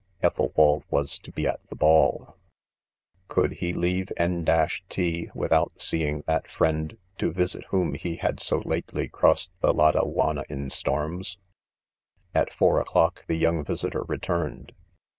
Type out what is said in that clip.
i Ethelwalci was to be at the "ball 5. could he leave N— — t without seeing that friend, to visit whom he tad. so lately crossed the Ladau anna in storms V ' At iour : o'clock, ■ the young visitor return •ed.